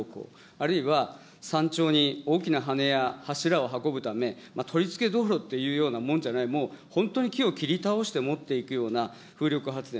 あるいは山頂に大きな羽根や柱を運ぶため、取り付け道路っていうようなもんじゃない、本当に木を切り倒して持っていくような風力発電。